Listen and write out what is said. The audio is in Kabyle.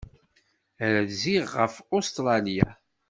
Rziɣ ɣef Ustṛalya.